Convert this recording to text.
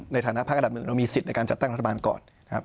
ในฐานะพักอันดับหนึ่งเรามีสิทธิ์ในการจัดตั้งรัฐบาลก่อนนะครับ